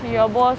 terima kasih bos